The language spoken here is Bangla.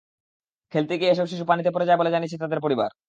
খেলতে গিয়ে এসব শিশু পানিতে পড়ে যায় বলে জানিয়েছে তাদের পরিবার।